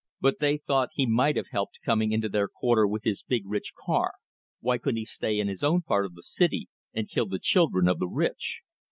But they thought he might have helped coming into their quarter with his big rich car; why couldn't he stay in his own part of the city, and kill the children of the rich?